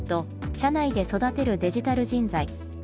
社内で育てるデジタル人材。